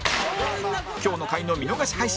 今日の回の見逃し配信も！